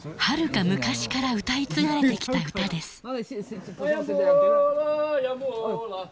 はるか昔から歌い継がれてきた歌です。